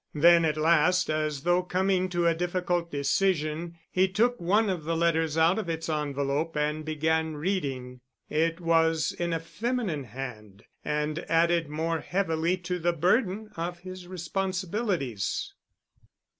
Then at last as though coming to a difficult decision, he took one of the letters out of its envelope and began reading. It was in a feminine hand and added more heavily to the burden of his responsibilities.